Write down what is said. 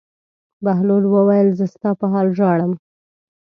بهلول وویل: زه ستا په حال ژاړم.